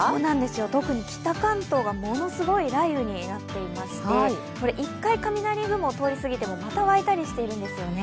特に北関東がものすごい雷雨になっていまして１回雷雲が通り過ぎてもまた湧いたりしてるんですよね。